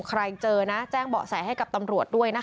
ใครเจอนะแจ้งเบาะแสให้กับตำรวจด้วยนะคะ